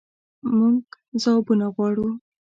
مونږ ځوابونه غواړو